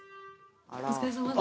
お疲れさまです。